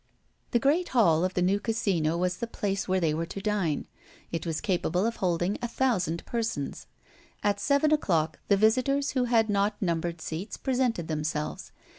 The great hall of the new Casino was the place where they were to dine. It was capable of holding a thousand persons. At seven o'clock the visitors who had not numbered seats presented themselves.